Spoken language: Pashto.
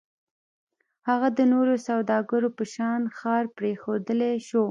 هغه د نورو سوداګرو په شان ښار پرېښودای شو.